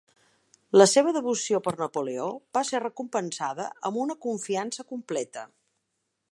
La seva devoció per Napoleó va ser recompensada amb una confiança completa.